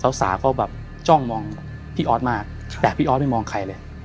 สาวเขาแบบจ้องมองพี่ออสมากแต่พี่ออสไม่มองใครเลย